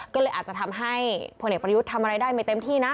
ก็เลยอาจจะทำให้พลเอกประยุทธ์ทำอะไรได้ไม่เต็มที่นะ